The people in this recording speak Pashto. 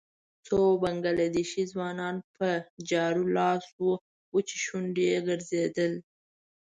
څو بنګله دېشي ځوانان په جارو لاس وچې شونډې ګرځېدل.